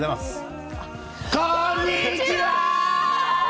こーんにちはー！